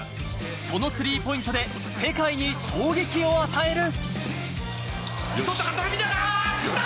そのスリーポイントで世界に衝撃を与える。